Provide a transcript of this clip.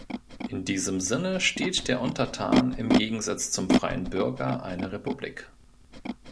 In diesem Sinne steht der Untertan im Gegensatz zum freien Bürger einer Republik.